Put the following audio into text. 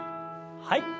はい。